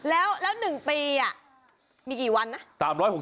แล้ว๑ปีมีกี่วันนะ